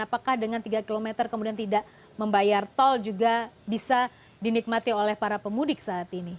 apakah dengan tiga km kemudian tidak membayar tol juga bisa dinikmati oleh para pemudik saat ini